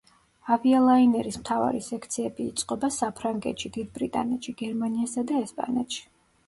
ავიალაინერის მთავარი სექციები იწყობა საფრანგეთში, დიდ ბრიტანეთში, გერმანიასა და ესპანეთში.